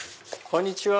こんにちは。